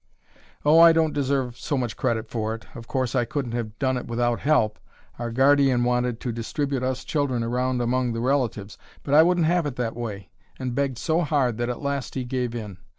"Oh, I don't deserve so much credit for it. Of course, I couldn't have done it without help. Our guardian wanted to distribute us children around among the relatives; but I wouldn't have it that way, and begged so hard that at last he gave in.